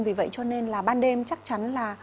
vì vậy cho nên là ban đêm chắc chắn là